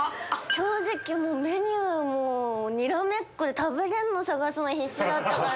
正直メニューにらめっこで食べれんの探すの必死だったから。